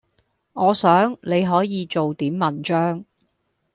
“我想，你可以做點文章……”